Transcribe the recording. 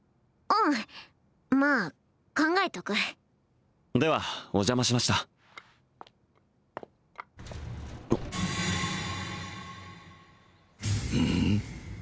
うんまあ考えとくではお邪魔しましたうん？